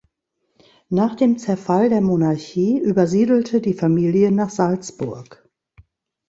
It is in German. Nach dem Zerfall der Monarchie übersiedelte die Familie nach Salzburg.